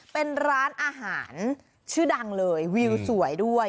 เป็นร้านอาหารชื่อดังเลยวิวสวยด้วย